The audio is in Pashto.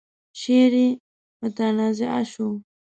شعر يې متنازعه شو.